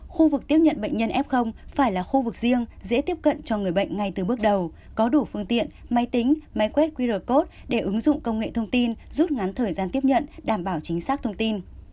khu vực tiếp nhận bệnh nhân f phải là khu vực riêng dễ tiếp cận cho người bệnh ngay từ bước đầu có đủ phương tiện máy tính máy quét qr code để ứng dụng công nghệ thông tin rút ngắn thời gian tiếp nhận đảm bảo chính xác thông tin